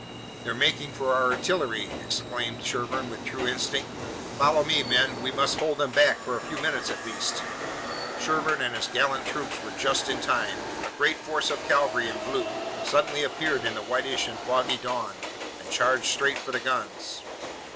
"They're making for our artillery!" exclaimed Sherburne with true instinct. "Follow me, men! We must hold them back, for a few minutes at least!" Sherburne and his gallant troops were just in time. A great force of cavalry in blue suddenly appeared in the whitish and foggy dawn and charged straight for the guns.